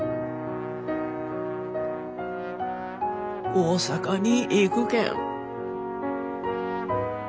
大阪に行くけん。